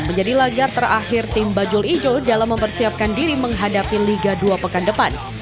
menjadi laga terakhir tim bajul ijo dalam mempersiapkan diri menghadapi liga dua pekan depan